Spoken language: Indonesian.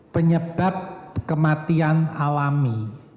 penyebab kematian alami